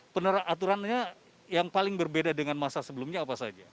penerapurannya yang paling berbeda dengan masa sebelumnya apa saja